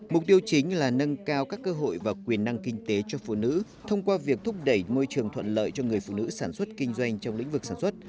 mục tiêu chính là nâng cao các cơ hội và quyền năng kinh tế cho phụ nữ thông qua việc thúc đẩy môi trường thuận lợi cho người phụ nữ sản xuất kinh doanh trong lĩnh vực sản xuất